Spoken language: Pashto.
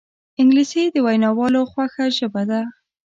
انګلیسي د ویناوالو خوښه ژبه ده